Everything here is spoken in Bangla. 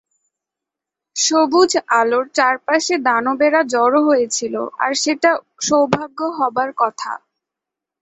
সবুজ আলোর চারপাশে দানবেরা জড়ো হয়েছিল আর সেটা সৌভাগ্য হবার কথা।